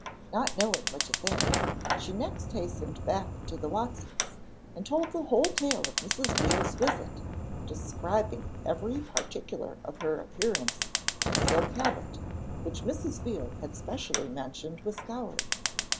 Not knowing what to think, she next hastened back to the Watsons, and told the whole tale of Mrs. Veal's visit, describing every particular of her appearance and silk habit, which Mrs. Veal had specially mentioned was scoured.